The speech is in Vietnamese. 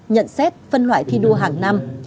nhận xét phân loại thi đua hàng năm